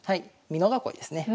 美濃囲いですね。